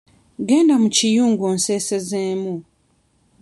Genda mu kiyungu onseesezeemu.